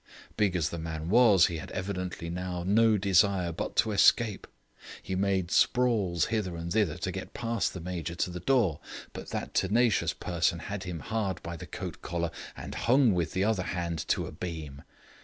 Big as the man was, he had evidently now no desire but to escape; he made sprawls hither and thither to get past the Major to the door, but that tenacious person had him hard by the coat collar and hung with the other hand to a beam.